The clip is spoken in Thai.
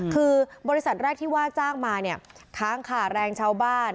คือบริษัทแรกที่ว่าจ้างมาเนี่ยค้างค่าแรงชาวบ้าน